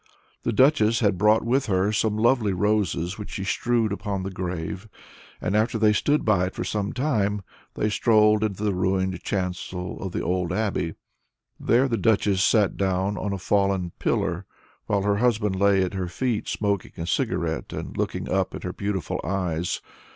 The Duchess had brought with her some lovely roses, which she strewed upon the grave, and after they had stood by it for some time they strolled into the ruined chancel of the old abbey. There the Duchess sat down on a fallen pillar, while her husband lay at her feet smoking a cigarette and looking up at her beautiful eyes.